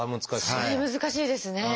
それ難しいですね。